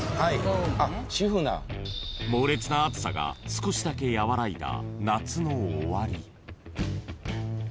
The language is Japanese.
［猛烈な暑さが少しだけ和らいだ］